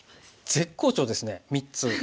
絶好調ですね３つ。